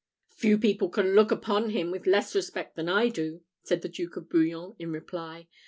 "Few people can look upon him with less respect than I do," said the Duke of Bouillon in reply.